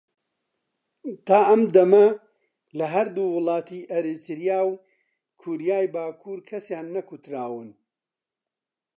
تا ئەم دەمە لە هەردوو وڵاتی ئەریتریا و کۆریای باکوور کەسیان نەکوتراون